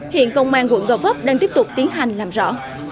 hiện công an quận gò vấp đang tiếp tục tiến hành làm rõ